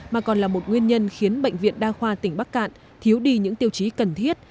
mà còn là một nguyên nhân khiến bệnh viện đa khoa tỉnh bắc cạn thiếu đi những tiêu chí cần thiết